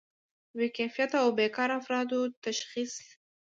د بې کفایته او بیکاره افرادو تشخیص.